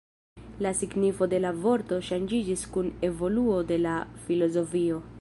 La signifo de la vorto ŝanĝiĝis kun evoluo de la filozofio.